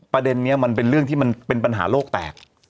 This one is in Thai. ประเด็นนี้มันเป็นเรื่องที่มันเป็นปัญหาโลกแตก